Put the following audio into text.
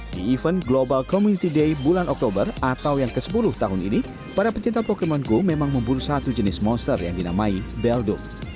di event global community day bulan oktober atau yang ke sepuluh tahun ini para pecinta pokemon go memang memburu satu jenis monster yang dinamai beldo